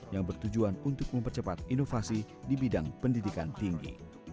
yang bertujuan untuk mempercepat inovasi di bidang pendidikan tinggi